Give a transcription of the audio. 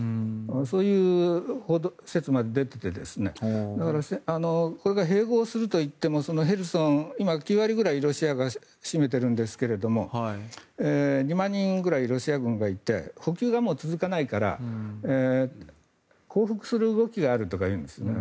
そういう説まで出ていてだからこれが併合するといってもヘルソン、今９割ぐらいロシアが占めているんですが２万人ぐらいロシア軍がいて補給がもう続かないから降伏する動きがあるというんですね。